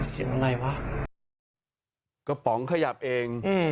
ยังไงวะกระป๋องขยับเองอืม